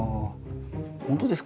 本当ですか？